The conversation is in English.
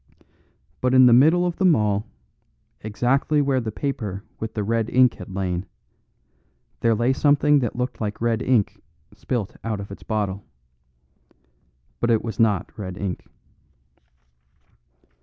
But in the middle of them all, exactly where the paper with the red ink had lain, there lay something that looked like red ink spilt out of its bottle. But it was not red ink.